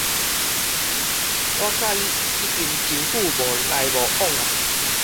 我佮伊已經真久無來往矣